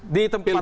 di tempat lah